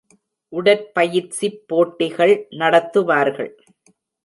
உடற்பயிற்சிப் போட்டிகள் நடத்துவார்கள்.